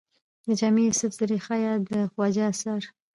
د جامي يوسف زلېخا يا د خواجه اثر